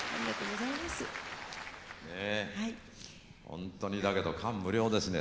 ほんとにだけど感無量ですね